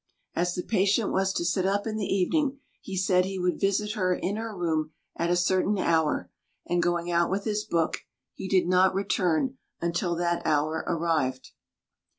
As the patient was to sit up in the evening, he said he would visit her in her room at a certain hour, and going out with his book, he did not return until that hour arrived.